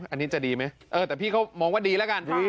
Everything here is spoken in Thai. อันนี้จะดีมั้ยเออแต่พี่เขามองว่าดีละกัน